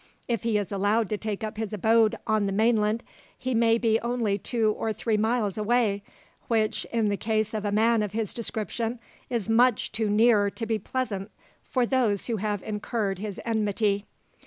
"If he is allowed to take up his abode on the mainland, he may be only two or three miles away, which, in the case of a man of his description, is much too near to be pleasant for those who have incurred his enmity."